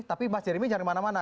tapi mas jeremy jangan kemana mana